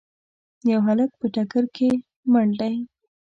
یو هلک په ټکر کي مړ دی.